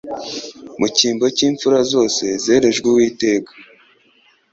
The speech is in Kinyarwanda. mu cyimbo cy'imfura zose zerejwe Uwiteka.